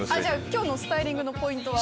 今日のスタイリングのポイントは？